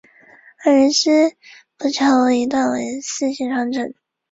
非食用鱼。